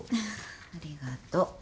ありがと。